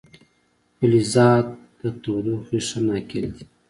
فلزات د تودوخې ښه ناقل دي.